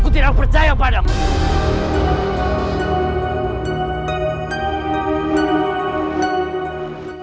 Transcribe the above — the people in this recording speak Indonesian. aku tidak percaya padamu